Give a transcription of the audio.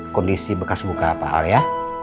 kondisi bekas buka pak al ya